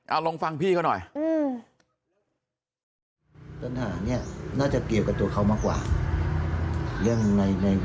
เอาลงฟังพี่ก็หน่อย